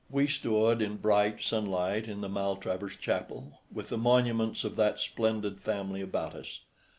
We stood in bright sunlight in the Maltravers chapel, with the monuments of that splendid family about us.